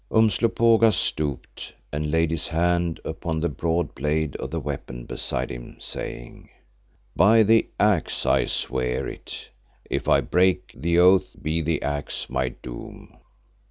Umslopogaas stooped and laid his hand upon the broad blade of the weapon beside him, saying, "By the Axe I swear it. If I break the oath be the Axe my doom."